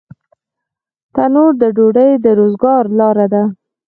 تنور د ډوډۍ د روزګار لاره ده